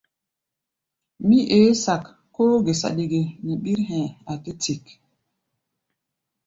Mí eé sak, kóó gé saɗi ge nɛ ɓír hɛ̧ɛ̧, a̧ tɛ́ tik.